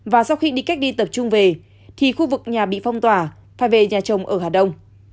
và sau khi đi cách ly tập trung về thì khu vực nhà bị phong tỏa phải về nhà chồng ở hà đông